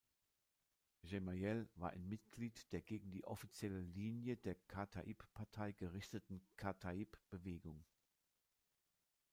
Gemayel war ein Mitglied der gegen die offizielle Linie der Kata’ib-Partei gerichteten Kata'ib-Bewegung.